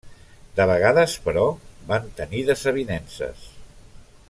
De vegades, però, van tenir desavinences.